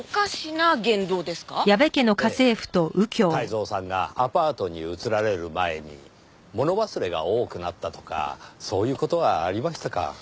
泰造さんがアパートに移られる前に物忘れが多くなったとかそういう事はありましたか？